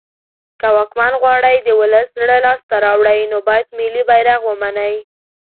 که واکمن غواړی د ولس زړه لاس ته راوړی نو باید ملی بیرغ ومنی